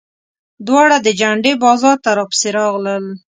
دواړه د جنډې بازار ته راپسې راغلل.